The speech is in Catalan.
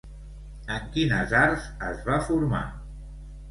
En quines arts es va formar?